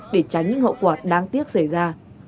để tránh những hậu quả đáng tiếc xảy ra